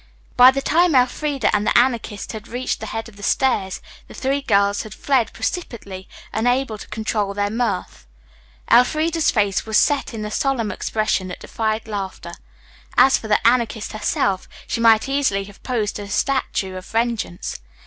By the time Elfreda and the Anarchist had reached the head of the stairs, the three girls had fled precipitately, unable to control their mirth. Elfreda's face was set in a solemn expression that defied laughter. As for the Anarchist herself, she might easily have posed as a statue of vengeance.